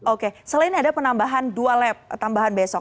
oke selain ada penambahan dua lab tambahan besok